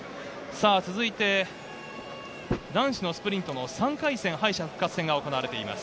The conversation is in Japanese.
続いて男子のスプリントの３回戦敗者復活戦が行われています。